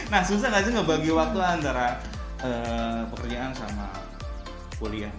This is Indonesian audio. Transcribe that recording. nah susah nggak sih ngebagi waktu antara pekerjaan sama kuliah